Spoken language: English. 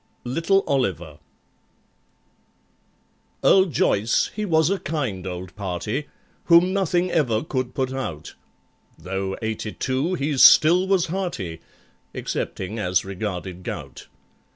LITTLE OLIVER EARL JOYCE he was a kind old party Whom nothing ever could put out, Though eighty two, he still was hearty, Excepting as regarded gout.